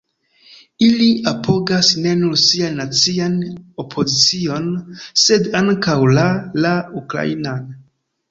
Ili apogas ne nur sian nacian opozicion sed ankaŭ la la ukrainan.